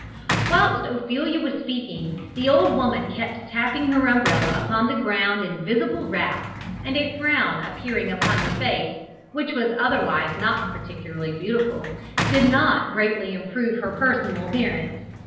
Whilst Ophelia was speaking, the old woman kept tapping her umbrella upon the ground in visible wrath, and a frown appearing upon her face, which was otherwise not particularly beautiful, did not greatly improve her personal appearance.